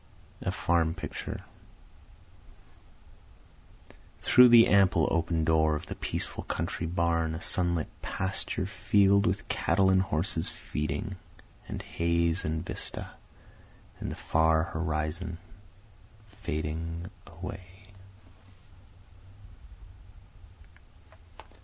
A Farm Picture Through the ample open door of the peaceful country barn, A sunlit pasture field with cattle and horses feeding, And haze and vista, and the far horizon fading away.